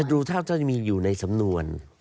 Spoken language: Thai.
จะดูเท่าที่จะมีอยู่ในสำนวน